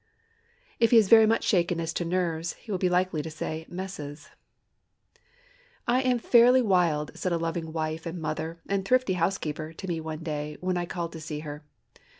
If he is very much shaken as to nerves, he will be likely to say, "messes." "I am fairly wild!" said a loving wife and mother, and thrifty housekeeper, to me one day, when I called to see her.